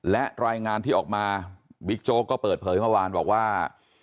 และรายงานที่ออกมาบิ๊กโจ๊กก็เปิดเผยเมื่อวานบอกว่า